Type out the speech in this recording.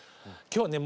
今日はね